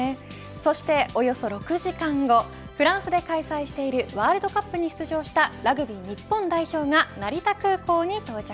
そしておよそ６時間後フランスで開催しているワールドカップに出場したラグビー日本代表が成田空港に到着。